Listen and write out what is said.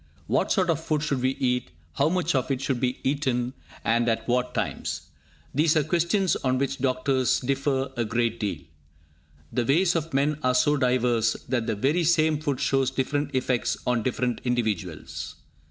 What sort of food should we eat, how much of it should be eaten, and at what times, these are questions on which doctors differ a great deal. The ways of men are so diverse, that the very same food shows different effects on different individuals.